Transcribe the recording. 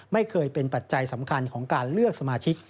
ไม่เคยเป็นปัจจัยสำคัญของการเลือกสมาชิก